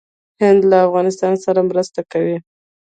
هند له افغانستان سره مرسته کوي.